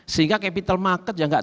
sehingga capital market juga enggak